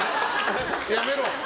やめろ！